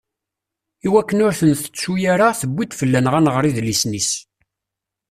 Iwakken ur t-ntettu ara, tuwi-d fell-aneɣ ad nɣer idlisen-is.